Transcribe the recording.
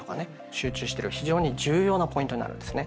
集中してる非常に重要なポイントになるんですね。